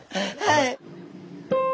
はい。